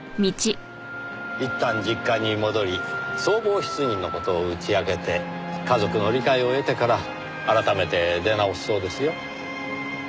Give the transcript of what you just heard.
いったん実家に戻り相貌失認の事を打ち明けて家族の理解を得てから改めて出直すそうですよ。